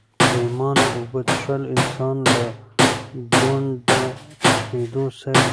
پرېمانه اوبه څښل انسان له ګونډه کېدو ساتي.